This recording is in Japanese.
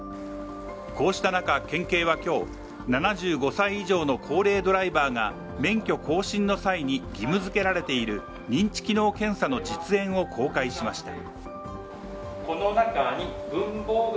こうした中、県警は今日、７５歳以上の高齢ドライバーが免許更新の際に義務付けられている認知機能検査の実演を公開しました。